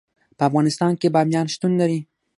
په افغانستان کې بامیان شتون لري.